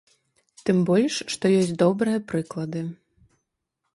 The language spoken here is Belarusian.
Тым больш што ёсць добрыя прыклады.